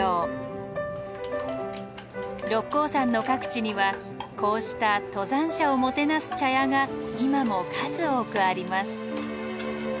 六甲山の各地にはこうした登山者をもてなす茶屋が今も数多くあります。